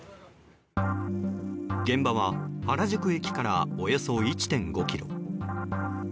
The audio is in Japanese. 現場は原宿駅からおよそ１．５ｋｍ。